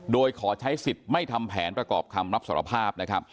โดยขอใช้สิทธิ์ไม่ทำแผนประกอบคำรับสารภาพนะครับ